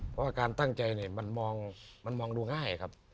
เพราะว่าการตั้งใจเนี่ยมันมองดูง่ายครับ